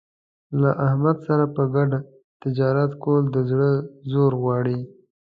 له احمد سره په ګډه تجارت کول د زړه زور غواړي.